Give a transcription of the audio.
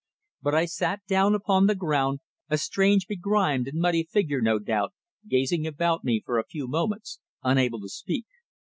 But I sat down upon the ground, a strange, begrimed and muddy figure, no doubt, gazing about me for a few moments unable to speak.